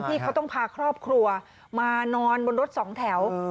ที่เขาต้องพาครอบครัวมานอนบนรถสองแถว